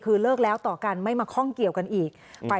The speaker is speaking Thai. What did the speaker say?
คือเลิกแล้วต่อกันไม่มาข้องเกี่ยวกันอีก